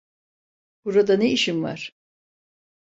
Burada ne işi var?